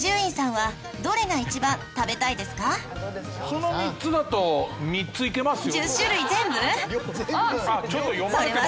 「その３つだと３ついけますよ」